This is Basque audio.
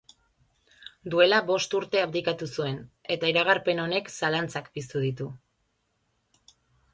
Duela bost urte abdikatu zuen, eta iragarpen honek zalantzak piztu ditu.